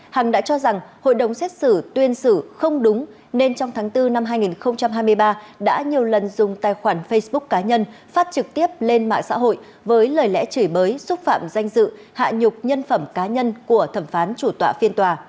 hằng đã cho rằng hội đồng xét xử tuyên xử không đúng nên trong tháng bốn năm hai nghìn hai mươi ba đã nhiều lần dùng tài khoản facebook cá nhân phát trực tiếp lên mạng xã hội với lời lẽ chửi bới xúc phạm danh dự hạ nhục nhân phẩm cá nhân của thẩm phán chủ tọa phiên tòa